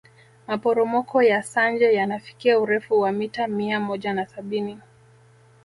maporomoko ya sanje yanafikia urefu wa mita mia moja na sabini